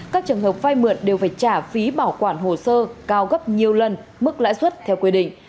các trường hợp vai mượn đều phải trả phí bảo quản hồ sơ cao gấp nhiều lần mức lãi suất theo quy định